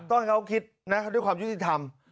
ต้องให้เขาคิดนะด้วยความยุติธรรม